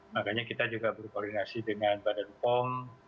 makanya kita juga berkoordinasi dengan badan pom